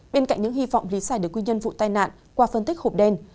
bên cạnh những hy vọng lý giải được nguyên nhân vụ tai nạn qua phân tích hộp đen